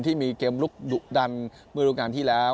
ที่มีเกมลุกดุดันเมื่อรูปการณ์ที่แล้ว